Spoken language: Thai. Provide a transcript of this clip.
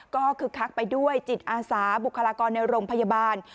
ก็คือคึกคักไปด้วยจิตอาสาบุคลากรในโรงพยาบาล